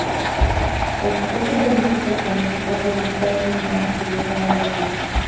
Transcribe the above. Por su peso político, económico solicitaron un ramal que llegara a La Plata.